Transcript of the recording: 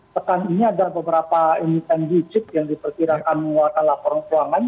pekan ini ada beberapa emiten digit yang diperkirakan mengeluarkan laporan keuangan